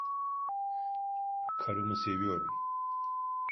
Karımı seviyorum.